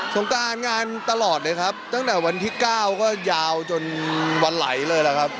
งการงานตลอดเลยครับตั้งแต่วันที่๙ก็ยาวจนวันไหลเลยล่ะครับ